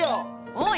おい！